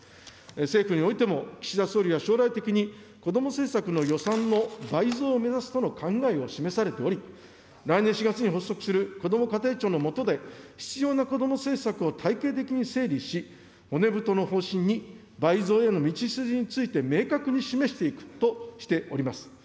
政府においても、岸田総理は将来的に子ども政策の予算の倍増を目指すとの考えを示されており、来年４月に発足するこども家庭庁の下で、必要な子ども政策を体系的に整理し、骨太の方針に倍増への道筋について、明確に示していくとしております。